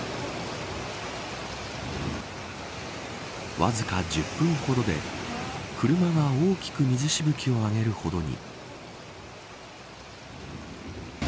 わずか１０分ほどで車が大きく水しぶきを上げるほどに。